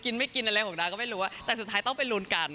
กินไม่กินอะไรของน้าก็ไม่รู้อะแต่สุดท้ายต้องเป็นรูลกัน